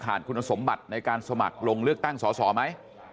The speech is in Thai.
คุณสมบัติในการสมัครลงเลือกตั้งสอสอไหม